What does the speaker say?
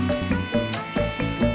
ayolah aku mau